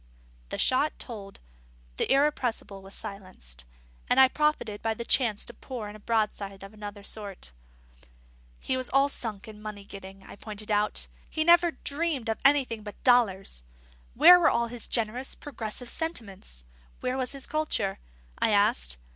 The shot told; the Irrepressible was silenced; and I profited by the chance to pour in a broadside of another sort. He was all sunk in money getting, I pointed out; he never dreamed of anything but dollars. Where were all his generous, progressive sentiments? Where was his culture? I asked.